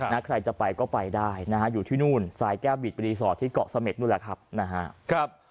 นักใครจะไปก็ไปได้อยู่ที่นู่นทรายแก้บิดบรีสอร์ทที่เกาะเสม็ดนู่นแหละครับ